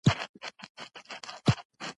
سپينې اوبه به شور راولي،